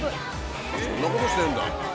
そんな事してんだ。